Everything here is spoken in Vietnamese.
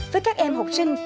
với các em học sinh